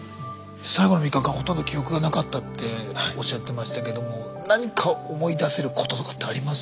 最後の３日間ほとんど記憶がなかったっておっしゃってましたけども何か思い出せることとかってあります？